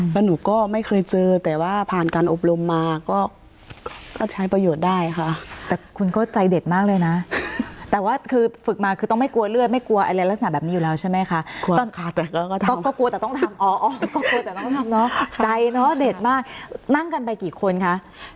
แล้วหนูก็ไม่เคยเจอแต่ว่าผ่านการอบรมมาก็ใช้ประโยชน์ได้ค่ะแต่คุณก็ใจเด็ดมากเลยนะแต่ว่าคือฝึกมาคือต้องไม่กลัวเลือดไม่กลัวอะไรลักษณะแบบนี้อยู่แล้วใช่ไหมคะก็กลัวแต่ต้องทำอ๋อก็กลัวแต่ต้องทำเนาะใจเนาะเด็ดมากนั่งกันไปกี่คนคะ